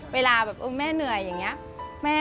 เวลาแบบแม่เหนื่อยอย่างนี้